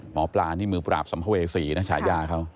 หมอปลานี่มือปราบสัมภเวษีนะฉายาเขา